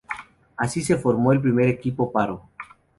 Así se formó el primer equipo Paro.